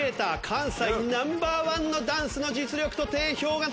関西ナンバーワンのダンスの実力と定評が高い！